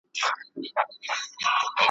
یوه سړي خو په یوه ټلیفوني رپوټ کي `